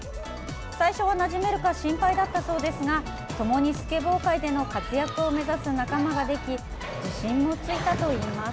最初は、なじめるか心配だったそうですが共にスケボー界での活躍を目指す仲間ができ自信もついたといいます。